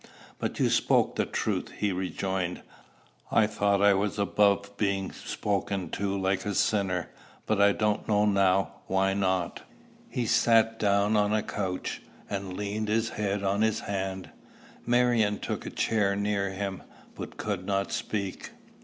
"But you spoke the truth," he rejoined. "I thought I was above being spoken to like a sinner, but I don't know now why not." He sat down on a couch, and leaned his head on his hand. Marion took a chair near him, but could not speak.